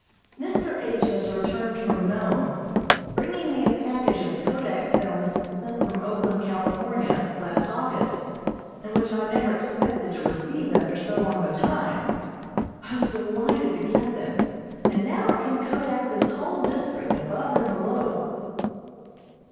Mr. H. has returned from Nome, bringing me a package of kodak films sent from Oakland, Cal., last August, and which I never expected to receive after so long a time. I was delighted to get them, and now I can kodak this whole district, above and below.